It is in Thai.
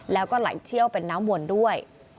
แล้วก็ไหลเชี่ยวเป็นน้ำวนด้วย